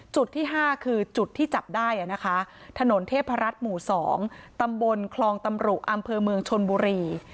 จุดที่๕คือจุดที่จับได้นะคะถนนเทพรัฐหมู่๒ตำบลคลองตำรุอำเภอเมืองชนบุรี